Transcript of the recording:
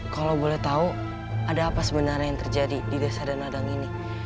kalau boleh tahu ada apa sebenarnya yang terjadi di desa danadang ini